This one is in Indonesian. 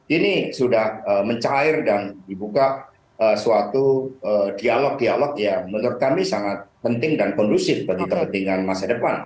ini sudah mencair dan dibuka suatu dialog dialog yang menurut kami sangat penting dan kondusif bagi kepentingan masa depan